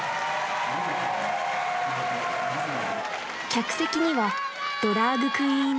客席にはドラァグクイーン